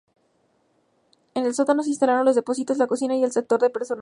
En el sótano se instalaron los depósitos, la cocina y el sector de personal.